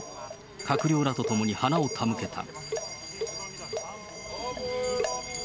閣僚らと共に花を手向けた。